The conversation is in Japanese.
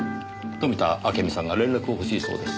富田明美さんが連絡を欲しいそうです。